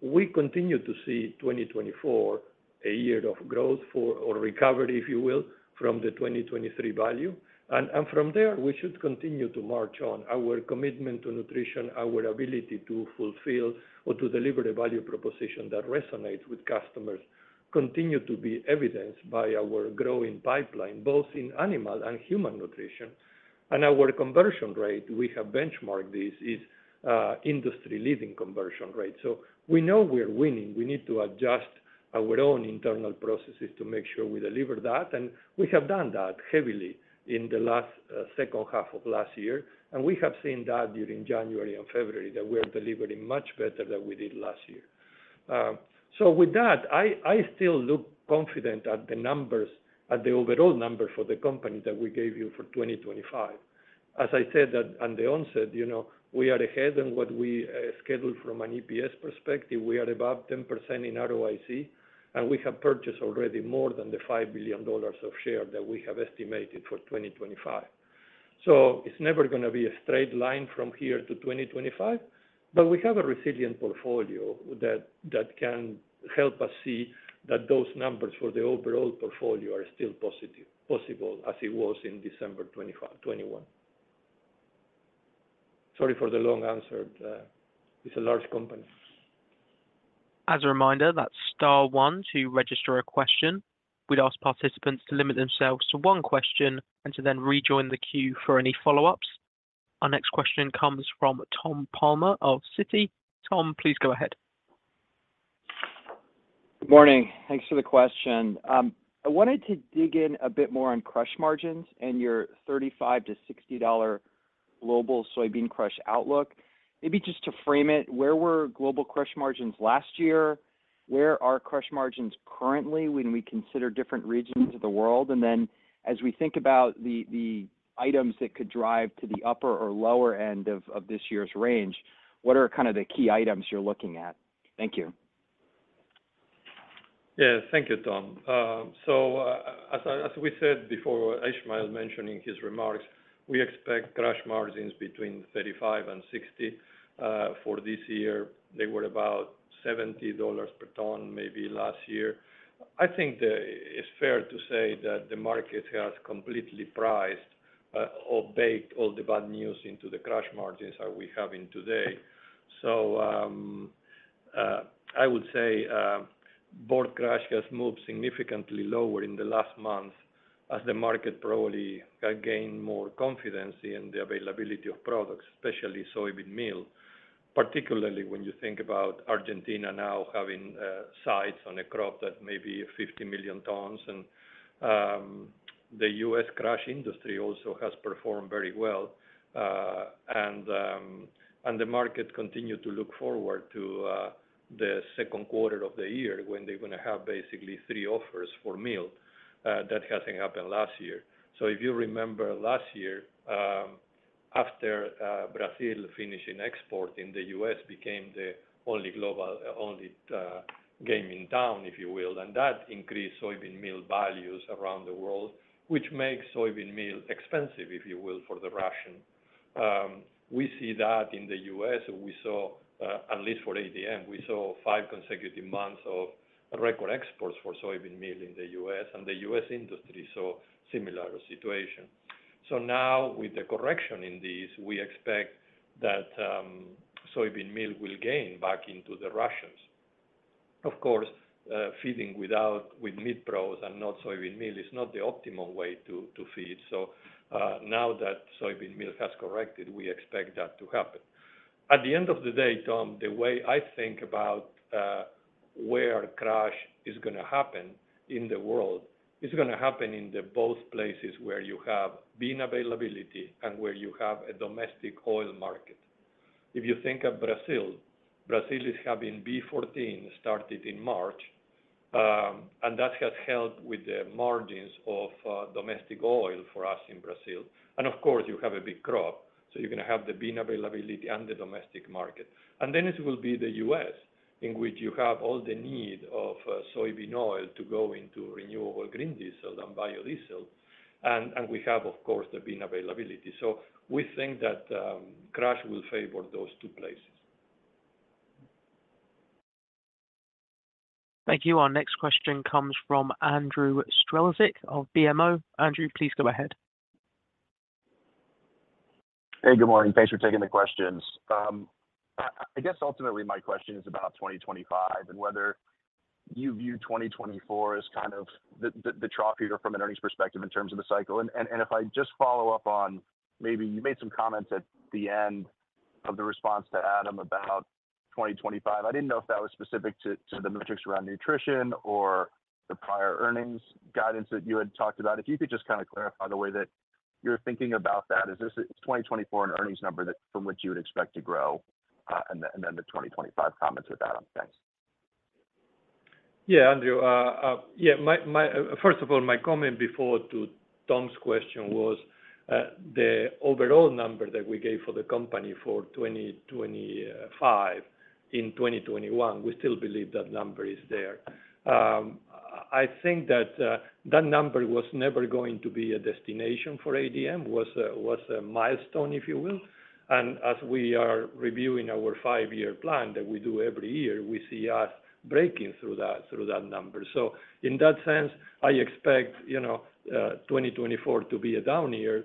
We continue to see 2024 a year of growth or recovery, if you will, from the 2023 value. And from there, we should continue to march on. Our commitment to nutrition, our ability to fulfill or to deliver a value proposition that resonates with customers continue to be evidenced by our growing pipeline, both in animal and human nutrition. And our conversion rate, we have benchmarked this, is industry-leading conversion rate. So we know we're winning. We need to adjust our own internal processes to make sure we deliver that. And we have done that heavily in the last second half of last year. And we have seen that during January and February that we are delivering much better than we did last year. So with that, I still look confident at the numbers, at the overall number for the company that we gave you for 2025. As I said at the onset, we are ahead. And what we scheduled from an EPS perspective, we are above 10% in ROIC. And we have purchased already more than the $5 billion of share that we have estimated for 2025. So it's never going to be a straight line from here to 2025. But we have a resilient portfolio that can help us see that those numbers for the overall portfolio are still possible as it was in December 2021. Sorry for the long answer. It's a large company. As a reminder, that's Star 1 to register a question. We'd ask participants to limit themselves to one question and to then rejoin the queue for any follow-ups. Our next question comes from Tom Palmer of Citi. Tom, please go ahead. Good morning. Thanks for the question. I wanted to dig in a bit more on crush margins and your $35-$60 global soybean crush outlook. Maybe just to frame it, where were global crush margins last year? Where are crush margins currently when we consider different regions of the world? And then as we think about the items that could drive to the upper or lower end of this year's range, what are kind of the key items you're looking at? Thank you. Yeah, thank you, Tom. So as we said before, Ismael mentioned in his remarks, we expect crush margins between 35-60. For this year, they were about $70 per ton, maybe last year. I think it's fair to say that the market has completely priced in and absorbed all the bad news into the crush margins that we're having today. So I would say board crush has moved significantly lower in the last months as the market probably gained more confidence in the availability of products, especially soybean meal, particularly when you think about Argentina now having sights on a crop that may be 50 million tons. And the U.S. crush industry also has performed very well. The market continued to look forward to the second quarter of the year when they're going to have basically three offers for meal. That hasn't happened last year. So if you remember last year, after Brazil finishing export, the U.S. became the only global only game in town, if you will. And that increased soybean meal values around the world, which makes soybean meal expensive, if you will, for the Russian. We see that in the U.S. At least for ADM, we saw five consecutive months of record exports for soybean meal in the U.S. And the U.S. industry saw a similar situation. So now, with the correction in this, we expect that soybean meal will gain back into the Russians. Of course, feeding with meat pros and not soybean meal is not the optimum way to feed. So now that soybean meal has corrected, we expect that to happen. At the end of the day, Tom, the way I think about where crush is going to happen in the world is going to happen in both places where you have bean availability and where you have a domestic oil market. If you think of Brazil, Brazil is having B14 started in March. And that has helped with the margins of domestic oil for us in Brazil. And of course, you have a big crop. So you're going to have the bean availability and the domestic market. And then it will be the U.S., in which you have all the need of soybean oil to go into renewable green diesel and biodiesel. And we have, of course, the bean availability. So we think that crush will favor those two places. Thank you. Our next question comes from Andrew Strelzik of BMO. Andrew, please go ahead. Hey, good morning. Thanks for taking the questions. I guess ultimately, my question is about 2025 and whether you view 2024 as kind of the trough here from an earnings perspective in terms of the cycle. And if I just follow up on maybe you made some comments at the end of the response to Adam about 2025. I didn't know if that was specific to the metrics around nutrition or the prior earnings guidance that you had talked about. If you could just kind of clarify the way that you're thinking about that. Is 2024 an earnings number from which you would expect to grow? And then the 2025 comments with Adam. Thanks. Yeah, Andrew. Yeah, first of all, my comment before to Tom's question was the overall number that we gave for the company for 2025 in 2021. We still believe that number is there. I think that that number was never going to be a destination for ADM, was a milestone, if you will. And as we are reviewing our five-year plan that we do every year, we see us breaking through that number. So in that sense, I expect 2024 to be a down year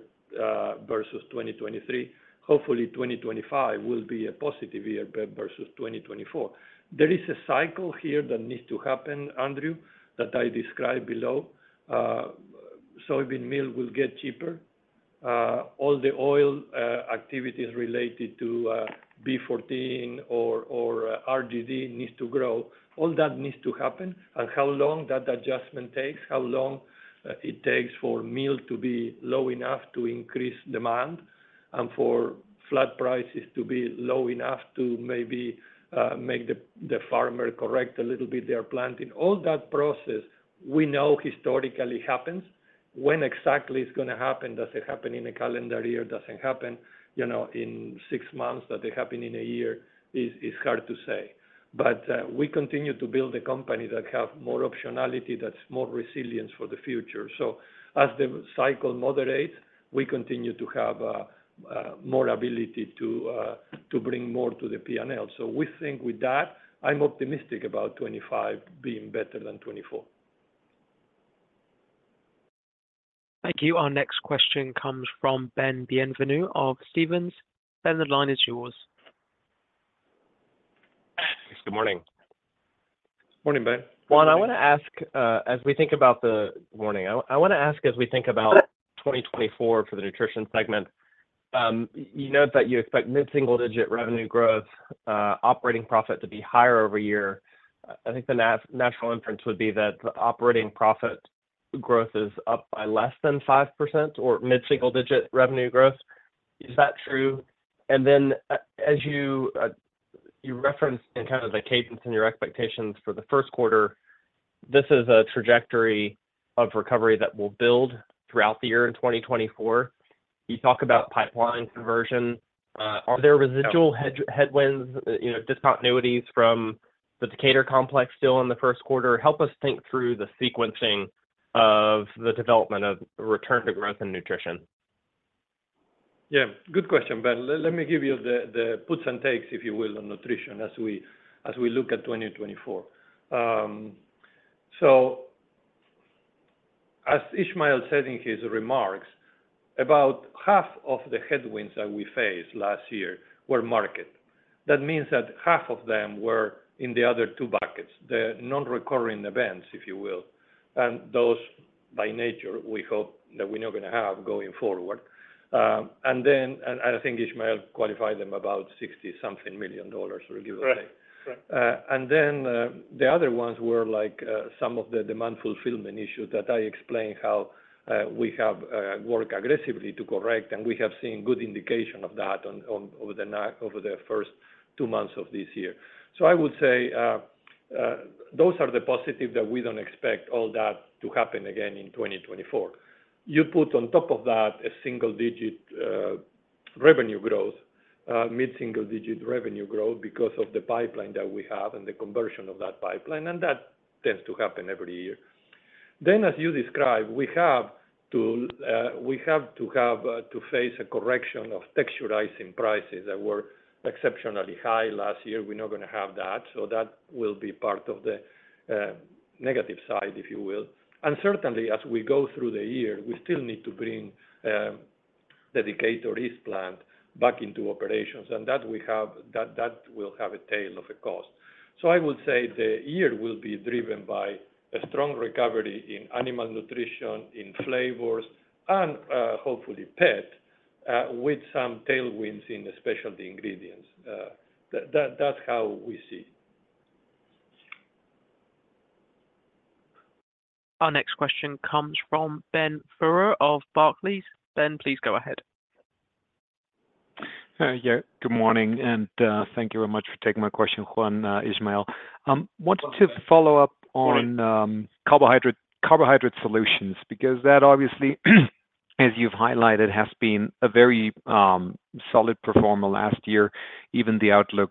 versus 2023. Hopefully, 2025 will be a positive year versus 2024. There is a cycle here that needs to happen, Andrew, that I describe below. Soybean meal will get cheaper. All the oil activities related to B14 or RGD need to grow. All that needs to happen. How long that adjustment takes, how long it takes for meal to be low enough to increase demand and for flat prices to be low enough to maybe make the farmer correct a little bit their planting, all that process, we know historically happens. When exactly it's going to happen, does it happen in a calendar year, doesn't happen in 6 months, does it happen in a year, is hard to say. We continue to build a company that has more optionality, that's more resilience for the future. As the cycle moderates, we continue to have more ability to bring more to the P&L. We think with that, I'm optimistic about 2025 being better than 2024. Thank you. Our next question comes from Ben Bienvenue of Stephens. Ben, the line is yours. Thanks. Good morning. Morning, Ben. Juan, I want to ask as we think about the morning, I want to ask as we think about 2024 for the nutrition segment, you note that you expect mid single-digit revenue growth, operating profit to be higher over year. I think the natural inference would be that the operating profit growth is up by less than 5% or mid single-digit revenue growth. Is that true? And then as you referenced in kind of the cadence and your expectations for the first quarter, this is a trajectory of recovery that will build throughout the year in 2024. You talk about pipeline conversion. Are there residual headwinds, discontinuities from the Decatur complex still in the first quarter? Help us think through the sequencing of the development of return to growth in nutrition. Yeah, good question, Ben. Let me give you the puts and takes, if you will, on nutrition as we look at 2024. So as Ismael said in his remarks, about half of the headwinds that we faced last year were market. That means that half of them were in the other two buckets, the non-recurring events, if you will. And those, by nature, we hope that we're not going to have going forward. And I think Ismael qualified them about $60-something million, or give or take. And then the other ones were some of the demand fulfillment issues that I explained how we have worked aggressively to correct. And we have seen good indication of that over the first two months of this year. So I would say those are the positive that we don't expect all that to happen again in 2024. You put on top of that a single-digit revenue growth, mid single-digit revenue growth because of the pipeline that we have and the conversion of that pipeline. And that tends to happen every year. Then, as you describe, we have to face a correction of texturizing prices that were exceptionally high last year. We're not going to have that. So that will be part of the negative side, if you will. And certainly, as we go through the year, we still need to bring the Decatur East plant back into operations. And that will have a tail of a cost. So I would say the year will be driven by a strong recovery in animal nutrition, in flavors, and hopefully pet, with some tailwinds in especially the ingredients. That's how we see. Our next question comes from Ben Theurer of Barclays. Ben, please go ahead. Yeah, good morning. Thank you very much for taking my question, Juan, Ismael. I wanted to follow up on Carbohydrate Solutions because that, obviously, as you've highlighted, has been a very solid performer last year. Even the outlook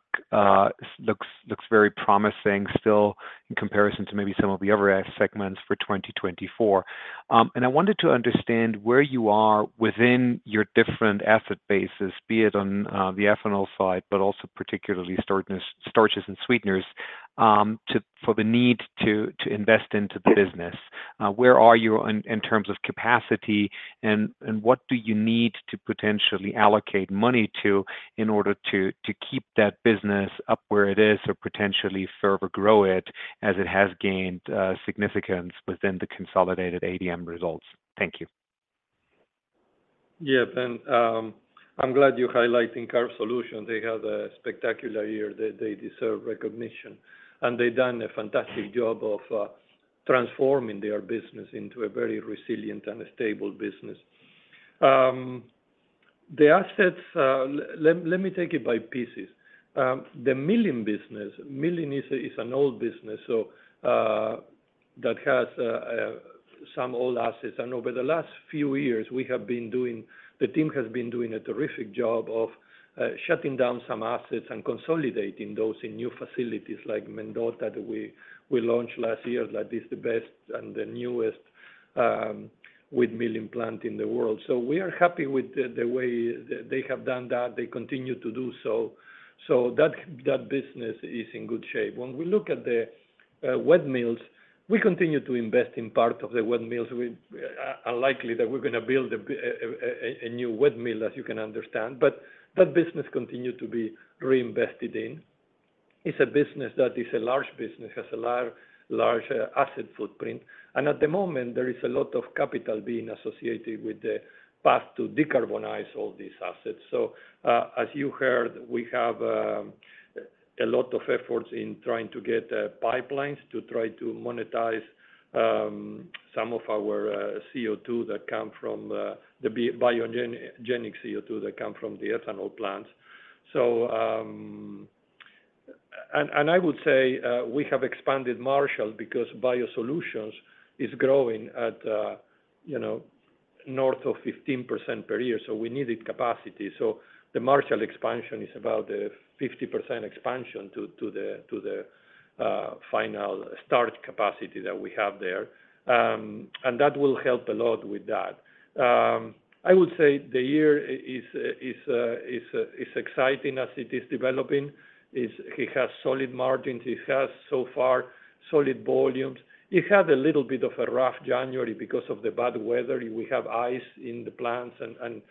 looks very promising still in comparison to maybe some of the other segments for 2024. And I wanted to understand where you are within your different asset bases, be it on the ethanol side, but also particularly starches and sweeteners, for the need to invest into the business. Where are you in terms of capacity? And what do you need to potentially allocate money to in order to keep that business up where it is or potentially further grow it as it has gained significance within the consolidated ADM results? Thank you. Yeah, Ben. I'm glad you're highlighting Carbohydrate Solutions. They had a spectacular year. They deserve recognition. They've done a fantastic job of transforming their business into a very resilient and stable business. The assets let me take it by pieces. The milling business, milling is an old business that has some old assets. Over the last few years, the team has been doing a terrific job of shutting down some assets and consolidating those in new facilities like Mendota that we launched last year. That is the best and the newest wheat milling plant in the world. We are happy with the way they have done that. They continue to do so. That business is in good shape. When we look at the wet mills, we continue to invest in part of the wet mills. Unlikely that we're going to build a new wet mill, as you can understand. That business continues to be reinvested in. It's a business that is a large business [with] has a large asset footprint. At the moment, there is a lot of capital being associated with the path to decarbonize all these assets. So as you heard, we have a lot of efforts in trying to get pipelines to try to monetize some of our CO2 that come from the biogenic CO2 that come from the ethanol plants. I would say we have expanded Marshall because BioSolutions is growing north of 15% per year. So we needed capacity. So the Marshall expansion is about a 50% expansion to the final starch capacity that we have there. And that will help a lot with that. I would say the year is exciting as it is developing. It has solid margins. It has so far solid volumes. It had a little bit of a rough January because of the bad weather. We have ice in the plants and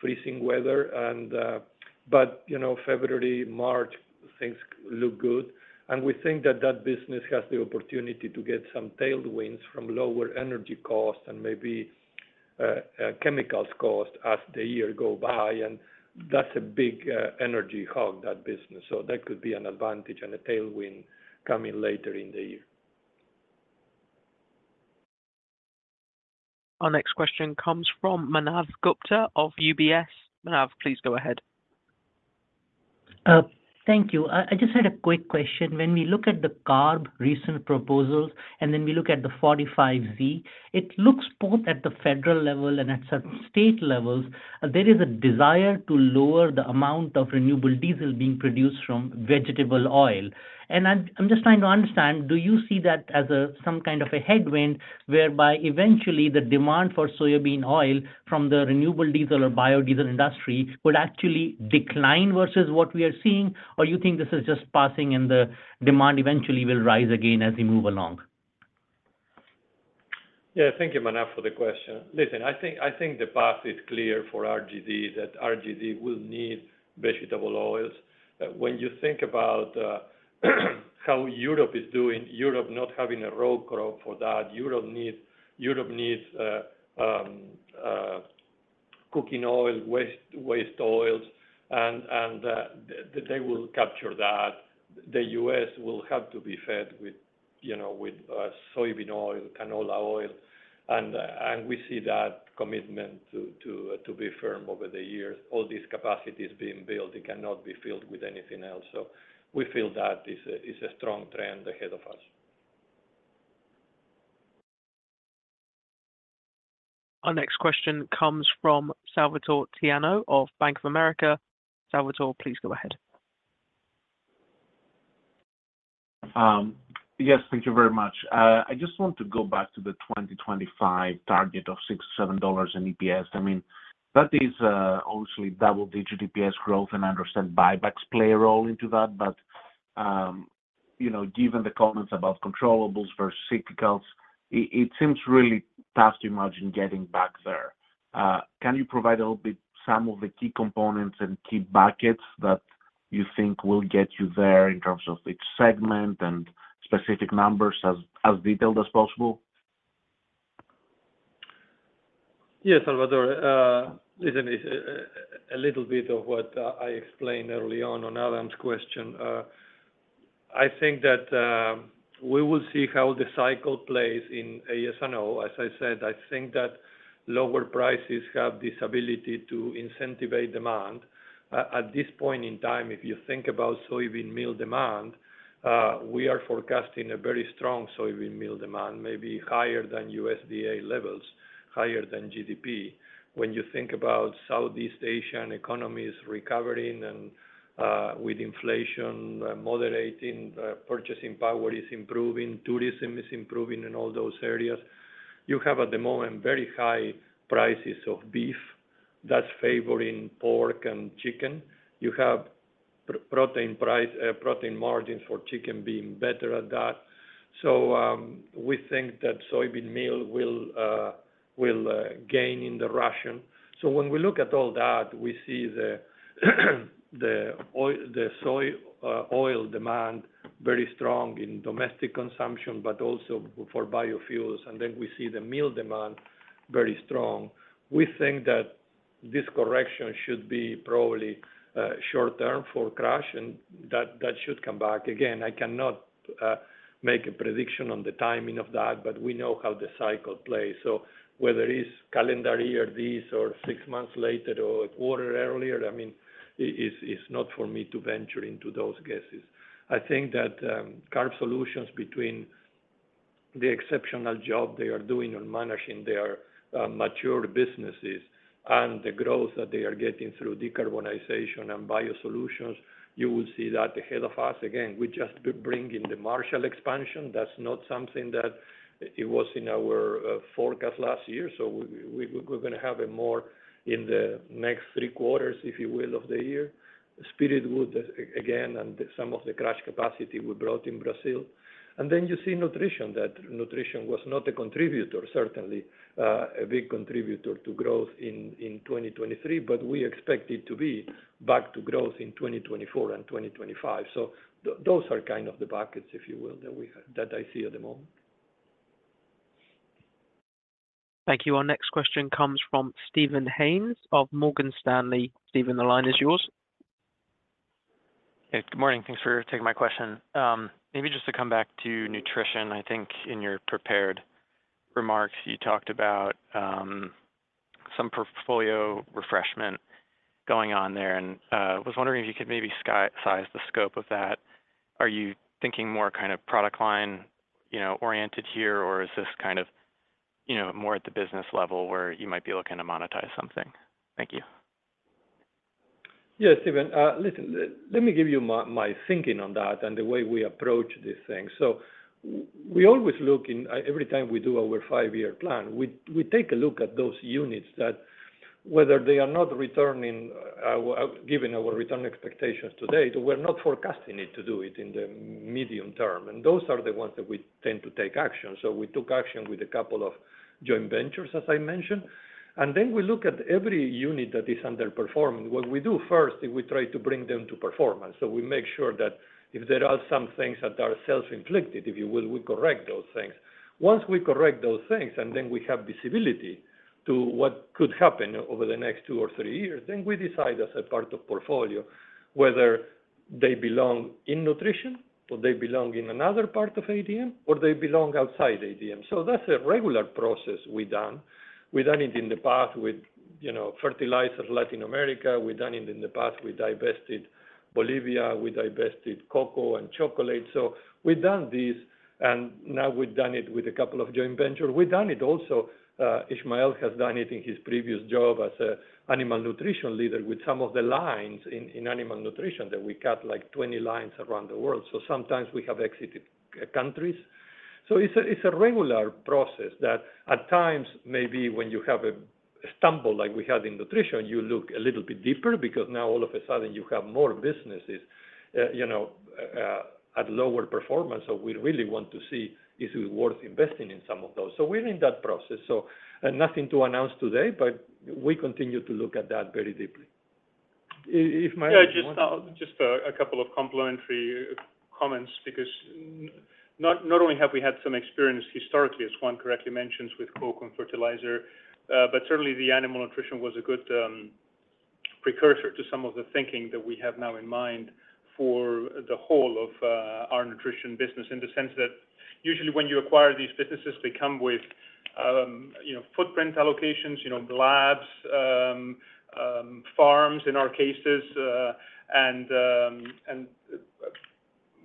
freezing weather. But February, March, things look good. And we think that that business has the opportunity to get some tailwinds from lower energy cost and maybe chemicals cost as the year goes by. And that's a big energy hog, that business. So that could be an advantage and a tailwind coming later in the year. Our next question comes from Manav Gupta of UBS. Manav, please go ahead. Thank you. I just had a quick question. When we look at the CARB recent proposals and then we look at the 45Z, it looks both at the federal level and at state levels, there is a desire to lower the amount of renewable diesel being produced from vegetable oil. And I'm just trying to understand, do you see that as some kind of a headwind whereby eventually the demand for soybean oil from the renewable diesel or biodiesel industry would actually decline versus what we are seeing? Or you think this is just passing and the demand eventually will rise again as we move along? Yeah, thank you, Manav, for the question. Listen, I think the path is clear for RGD, that RGD will need vegetable oils. When you think about how Europe is doing, Europe not having a row crop for that, Europe needs cooking oil, waste oils. And they will capture that. The U.S. will have to be fed with soybean oil, canola oil. And we see that commitment to be firm over the years. All these capacities being built, it cannot be filled with anything else. So we feel that is a strong trend ahead of us. Our next question comes from Salvatore Tiano of Bank of America. Salvatore, please go ahead. Yes, thank you very much. I just want to go back to the 2025 target of $6-$7 in EPS. I mean, that is obviously double-digit EPS growth. And I understand buybacks play a role into that. But given the comments about controllables versus cyclicals, it seems really tough to imagine getting back there. Can you provide a little bit some of the key components and key buckets that you think will get you there in terms of each segment and specific numbers as detailed as possible? Yeah, Salvatore. Listen, it's a little bit of what I explained early on on Adam's question. I think that we will see how the cycle plays in AS&O. As I said, I think that lower prices have this ability to incentivize demand. At this point in time, if you think about soybean meal demand, we are forecasting a very strong soybean meal demand, maybe higher than USDA levels, higher than GDP. When you think about Southeast Asian economies recovering and with inflation moderating, purchasing power is improving, tourism is improving in all those areas, you have at the moment very high prices of beef that's favoring pork and chicken. You have protein margins for chicken being better at that. So we think that soybean meal will gain in the ration. So when we look at all that, we see the soy oil demand very strong in domestic consumption, but also for biofuels. And then we see the meal demand very strong. We think that this correction should be probably short-term for crush. And that should come back. Again, I cannot make a prediction on the timing of that. But we know how the cycle plays. So whether it's calendar year this or six months later or a quarter earlier, I mean, it's not for me to venture into those guesses. I think that Carb Solutions, between the exceptional job they are doing on managing their mature businesses and the growth that they are getting through decarbonization and BioSolutions, you will see that ahead of us. Again, we're just bringing the Marshall expansion. That's not something that it was in our forecast last year. So we're going to have it more in the next three quarters, if you will, of the year. Spiritwood, again, and some of the crush capacity we brought in Brazil. And then you see nutrition, that nutrition was not a contributor, certainly a big contributor to growth in 2023. But we expect it to be back to growth in 2024 and 2025. So those are kind of the buckets, if you will, that I see at the moment. Thank you. Our next question comes from Steven Haynes of Morgan Stanley. Steven, the line is yours. Yeah, good morning. Thanks for taking my question. Maybe just to come back to nutrition, I think in your prepared remarks, you talked about some portfolio refreshment going on there. And I was wondering if you could maybe size the scope of that. Are you thinking more kind of product line-oriented here? Or is this kind of more at the business level where you might be looking to monetize something? Thank you. Yeah, Steven. Listen, let me give you my thinking on that and the way we approach this thing. So we always look in every time we do our five-year plan, we take a look at those units that whether they are not returning, given our return expectations today, we're not forecasting it to do it in the medium term. And those are the ones that we tend to take action. So we took action with a couple of joint ventures, as I mentioned. And then we look at every unit that is underperforming. What we do first is we try to bring them to performance. So we make sure that if there are some things that are self-inflicted, if you will, we correct those things. Once we correct those things and then we have visibility to what could happen over the next two or three years, then we decide as a part of portfolio whether they belong in nutrition or they belong in another part of ADM or they belong outside ADM. So that's a regular process we've done. We've done it in the past with fertilizers Latin America. We've done it in the past with divested Bolivia. We divested cocoa and chocolate. So we've done this. And now we've done it with a couple of joint ventures. We've done it also. Ismael has done it in his previous job as an animal nutrition leader with some of the lines in animal nutrition that we cut, like 20 lines around the world. So sometimes we have exited countries. So it's a regular process that at times, maybe when you have a stumble like we had in nutrition, you look a little bit deeper because now all of a sudden, you have more businesses at lower performance. So we really want to see is it worth investing in some of those. So we're in that process. So nothing to announce today. But we continue to look at that very deeply. Ismael? Yeah, just a couple of complementary comments because not only have we had some experience historically, as Juan correctly mentions, with cocoa and fertilizer, but certainly, the animal nutrition was a good precursor to some of the thinking that we have now in mind for the whole of our nutrition business in the sense that usually, when you acquire these businesses, they come with footprint allocations, labs, farms in our cases, and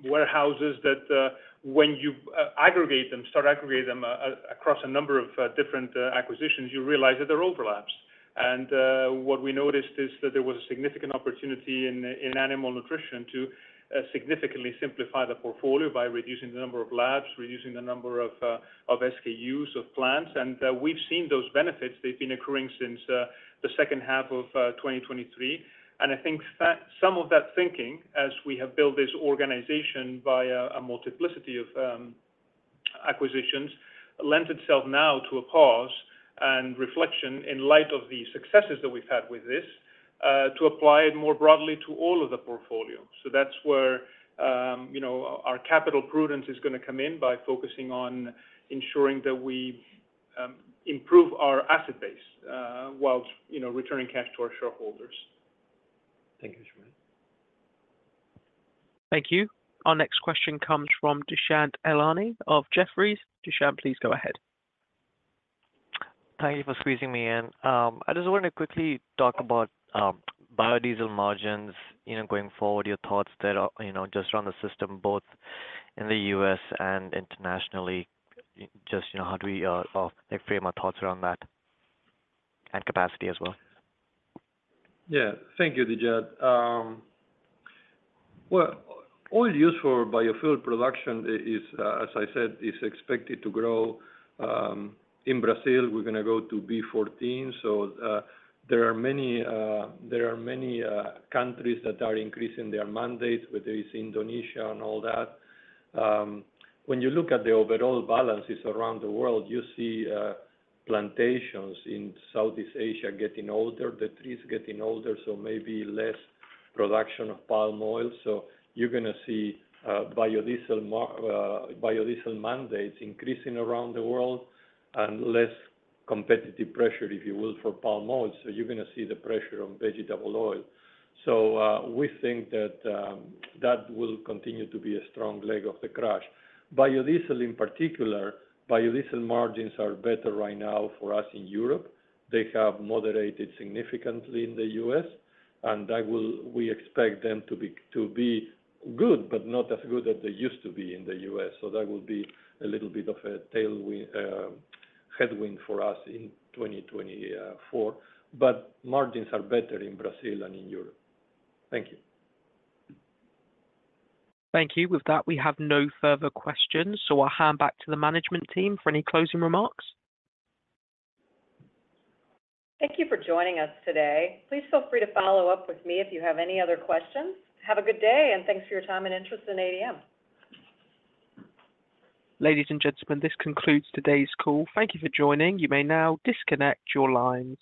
warehouses that when you aggregate them, start aggregating them across a number of different acquisitions, you realize that there are overlaps. And what we noticed is that there was a significant opportunity in animal nutrition to significantly simplify the portfolio by reducing the number of labs, reducing the number of SKUs of plants. And we've seen those benefits. They've been occurring since the second half of 2023. And I think some of that thinking, as we have built this organization via a multiplicity of acquisitions, lent itself now to a pause and reflection in light of the successes that we've had with this to apply it more broadly to all of the portfolio. So that's where our capital prudence is going to come in by focusing on ensuring that we improve our asset base while returning cash to our shareholders. Thank you, Ismael. Thank you. Our next question comes from Dushyant Ailani of Jefferies. Dushyant, please go ahead. Thank you for squeezing me in. I just wanted to quickly talk about biodiesel margins going forward, your thoughts that just around the system, both in the U.S. and internationally, just how do we frame our thoughts around that and capacity as well. Yeah, thank you, Dushyant. Well, oil use for biofuel production, as I said, is expected to grow. In Brazil, we're going to go to B14. So there are many countries that are increasing their mandates, whether it's Indonesia and all that. When you look at the overall balances around the world, you see plantations in Southeast Asia getting older, the trees getting older, so maybe less production of palm oil. So you're going to see biodiesel mandates increasing around the world and less competitive pressure, if you will, for palm oil. So you're going to see the pressure on vegetable oil. So we think that that will continue to be a strong leg of the crush. Biodiesel, in particular, biodiesel margins are better right now for us in Europe. They have moderated significantly in the U.S. We expect them to be good, but not as good as they used to be in the U.S. That will be a little bit of a headwind for us in 2024. Margins are better in Brazil and in Europe. Thank you. Thank you. With that, we have no further questions. I'll hand back to the management team for any closing remarks. Thank you for joining us today. Please feel free to follow up with me if you have any other questions. Have a good day. Thanks for your time and interest in ADM. Ladies and gentlemen, this concludes today's call. Thank you for joining. You may now disconnect your lines.